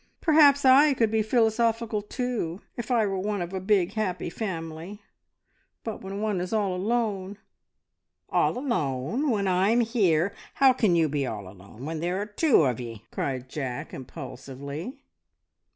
Perhaps I could be philosophical too, if I were one of a big, happy family but when one is all alone " "All alone when I'm here! How can you be all alone, when there are two of ye!" cried Jack impulsively.